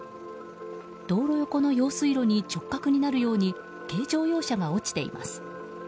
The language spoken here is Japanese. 道路横の用水路に直角になるように軽乗用車が落ちています。